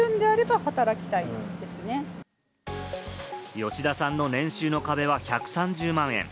吉田さんの年収の壁は１３０万円。